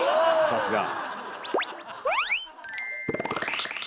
さすが。